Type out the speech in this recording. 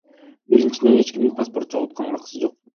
Биринчиден, эч кимдин паспорт чогултканга акысы жок.